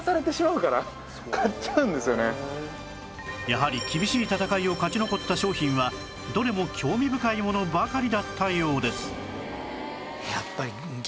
やはり厳しい戦いを勝ち残った商品はどれも興味深いものばかりだったようです